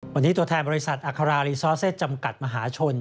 วันนี้ตัวแทนบริษัทอัครารีซอสเซตจำกัดมหาชน